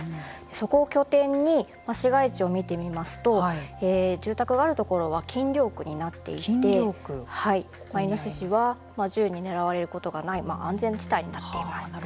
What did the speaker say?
そこを拠点に市街地を見てみますと住宅があるところは禁猟区になっていてイノシシは銃に狙われることがない安全地帯になっています。